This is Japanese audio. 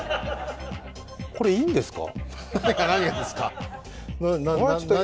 これ、いいんですか？